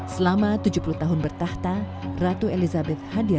selama tujuh puluh tahun bertahta ratu elizabeth hadir di kastil windsor